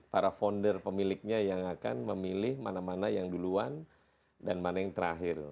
para founder pemiliknya yang akan memilih mana mana yang duluan dan mana yang terakhir